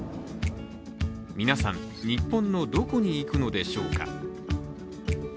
皆さん、日本のどこに行くのでしょうか？